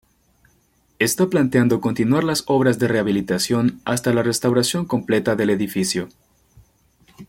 Está planteado continuar las obras de rehabilitación hasta la restauración completa del edificio.